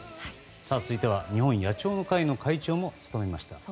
続いては日本野鳥の会の会長も務めました。